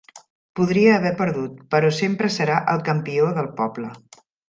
Podria haver perdut, però sempre serà el campió del poble.